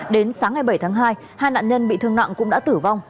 đến sáng ngày bảy tháng hai hai nạn nhân bị thương nặng cũng đã tử vong